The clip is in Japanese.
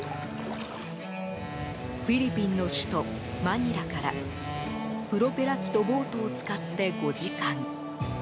フィリピンの首都マニラからプロペラ機とボートを使って５時間。